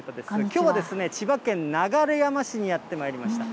きょうは千葉県流山市にやってまいりました。